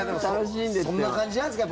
そんな感じなんですかね